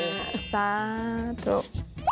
สาธารณ์